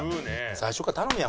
最初から頼めや！